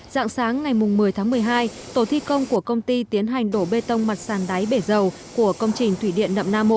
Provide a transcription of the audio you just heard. dạng sáng ngày một mươi tháng một mươi hai tổ thi công của công ty tiến hành đổ bê tông mặt sàn đáy bể dầu của công trình thủy điện nậm na một